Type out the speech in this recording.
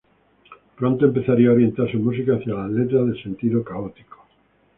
Pronto empezaría a orientar su música hacia las letras de sentido católico.